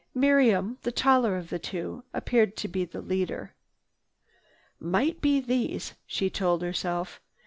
Miriam, the taller of the two, appeared to be the leader. "Might be these," she told herself.